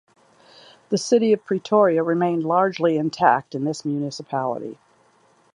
The city of Pretoria remained largely intact in this municipality.